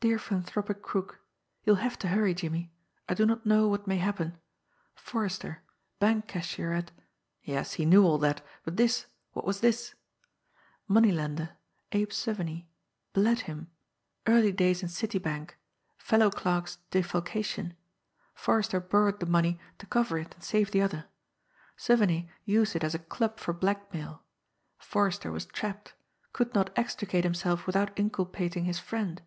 "Dear Philanthropic Crook: You will have to hurry, Jimmie.... I do not know what may happen.... Forrester ... bank cashier at" yes, he knew all that! But this what was this? "Money lender.... Abe Suviney... bled him ... early days in city bank ... fellow clerk's defalcation.... Forrester borrowed the money to cover it and save the other.... Suviney used it as a club for blackmail.... Forrester was trapped ... could not extricate himself without inculpating his friend